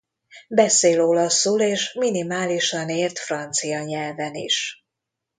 Beszél olaszul és minimálisan ért francia nyelven is.